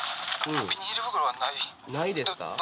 ないですか？